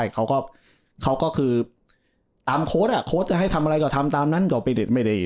เขาก็เขาก็คือตามโค้ดอ่ะโค้ดจะให้ทำอะไรก็ทำตามนั้นก็ไม่ได้